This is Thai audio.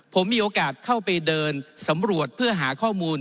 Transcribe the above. ผมมีโอกาสเข้าไปเดินสำรวจเพื่อหาข้อมูล